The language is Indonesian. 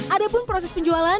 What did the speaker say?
ada pun proses penjualan